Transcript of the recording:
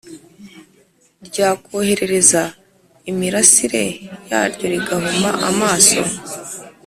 ryakohereza imirasire yaryo, rigahuma amaso.